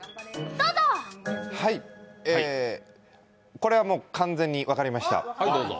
これはもう完全に分かりました。